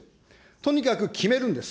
とにかく決めるんです。